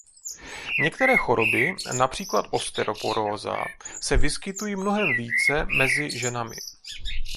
Některé choroby, například osteoporóza, se vyskytují mnohem více mezi ženami.